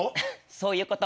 そういうこと。